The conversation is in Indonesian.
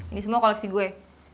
ini semua koleksi gue